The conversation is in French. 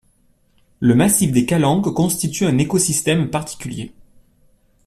Le massif des Calanques constitue un écosystème particulier.